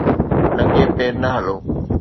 ننگي پير نه هلو